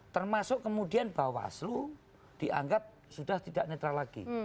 termasuk kemudian bahwa aslu dianggap sudah tidak netral lagi